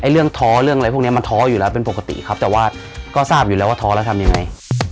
เรื่องท้อเรื่องอะไรพวกนี้มันท้ออยู่แล้วเป็นปกติครับแต่ว่าก็ทราบอยู่แล้วว่าท้อแล้วทำยังไง